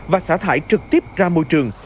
và xả thải trực tiếp ra môi trường